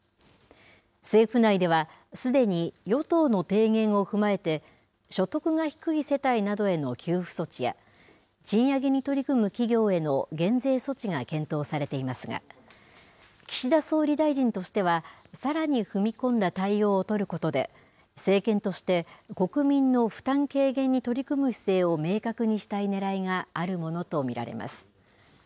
政府内ではすでに与党の提言を踏まえて所得が低い世帯などへの給付措置や賃上げに取り組む企業への減税措置が検討されていますが岸田総理大臣としてはさらに踏み込んだ対応を取ることで政権として国民の負担軽減に取り組む姿勢を明確にしたいねらいがあるものと見られます。